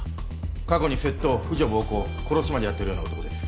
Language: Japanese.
過去に窃盗婦女暴行殺しまでやってるような男です